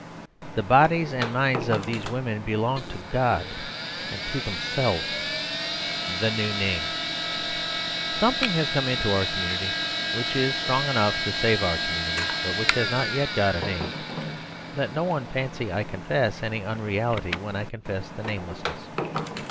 (6) The bodies and minds of these women belong to God and to themselves. THE NEW NAME Something has come into our community, which is strong enough to save our community; but which has not yet got a name. Let no one fancy I confess any unreality when I confess the namelessness.